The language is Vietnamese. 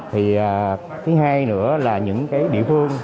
thì thứ hai nữa là những cái địa phương